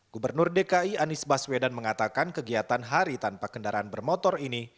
gubernur dki anies baswedan mengatakan kegiatan hari tanpa kendaraan bermotor ini